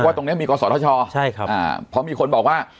ว่าตรงเนี้ยมีก่อสอทชใช่ครับอ่าพอมีคนบอกว่า